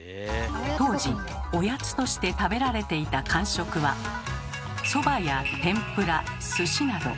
当時「御八つ」として食べられていた間食はそばや天ぷらすしなど。